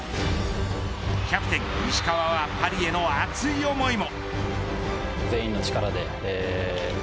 キャプテン石川はパリへの熱い思いも。